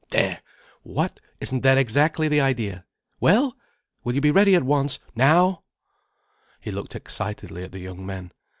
There! What? Isn't that exactly the idea? Well! Will you be ready at once, now?" He looked excitedly at the young men.